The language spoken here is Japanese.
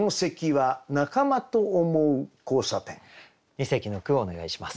二席の句をお願いします。